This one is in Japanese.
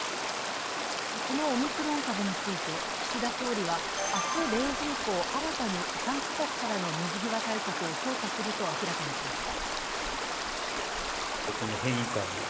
このオミクロン株について岸田総理は、明日０時以降、新たに３カ国からの水際対策を強化すると明らかにしました。